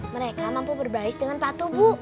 mereka mampu berbalis dengan patuh bu